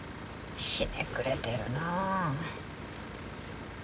ひねくれてるなぁ。